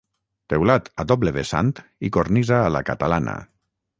Teulat a doble vessant i cornisa a la catalana.